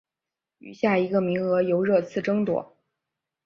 余下一个名额由热刺争夺。